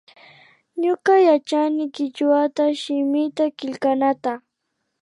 Ñuka yachani kichwa shimita killknata